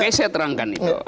oke saya terangkan itu